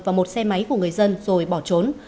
và một xe máy của người dân rồi bỏ trốn